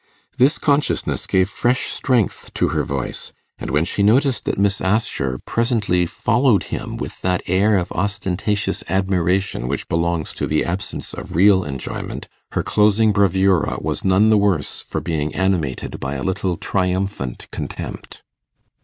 This consciousness gave fresh strength to her voice; and when she noticed that Miss Assher presently followed him with that air of ostentatious admiration which belongs to the absence of real enjoyment, her closing bravura was none the worse for being animated by a little triumphant contempt.